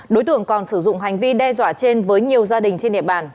đối tượng còn sử dụng hành vi đe dọa trên với nhiều gia đình trên địa bàn